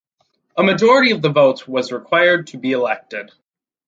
A majority of the votes was required to be elected.